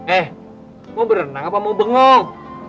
eh mau berenang apa mau bengong